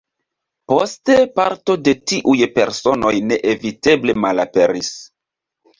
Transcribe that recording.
Poste parto de tiuj personoj neeviteble malaperis.